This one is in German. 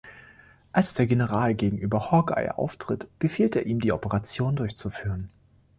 Als der General gegenüber Hawkeye auftritt, befiehlt er ihm, die Operation durchzuführen.